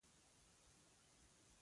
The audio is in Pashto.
بې وفا خلک بیا د مینې په تراژیدۍ پوهیږي.